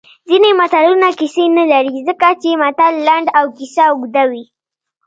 ځینې متلونه کیسې نه لري ځکه چې متل لنډ او کیسه اوږده وي